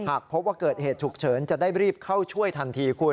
หากพบว่าเกิดเหตุฉุกเฉินจะได้รีบเข้าช่วยทันทีคุณ